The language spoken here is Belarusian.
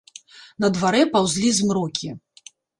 На дварэ паўзлі змрокі.